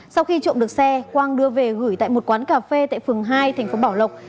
sau khi trộm được xe quang đưa về gửi tại một quán cà phê tại phường hai thành phố bảo lộc